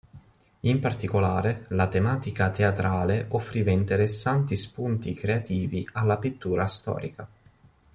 In particolare, la tematica teatrale offriva interessanti spunti creativi alla pittura storica.